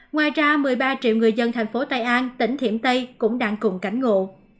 ngoài ra một mươi ba triệu người dân thành phố tây an tỉnh thiểm tây cũng đang cùng cảnh ngộ